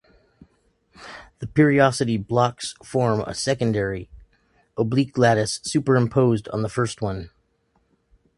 The periodicity blocks form a secondary, oblique lattice, superimposed on the first one.